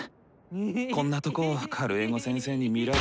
こんなとこをカルエゴ先生に見られ。